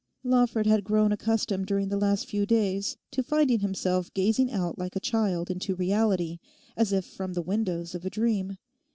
Lawford had grown accustomed during the last few days to finding himself gazing out like a child into reality, as if from the windows of a dream.